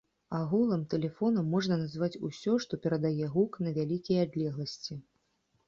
Агулам, тэлефонам можна назваць усё, што перадае гук на вялікія адлегласці.